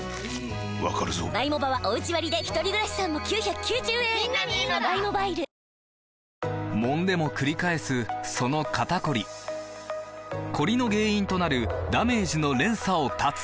わかるぞもんでもくり返すその肩こりコリの原因となるダメージの連鎖を断つ！